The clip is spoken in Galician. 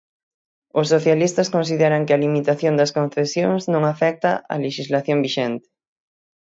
Os socialistas consideran que a limitación das concesións non afecta a lexislación vixente.